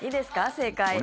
正解。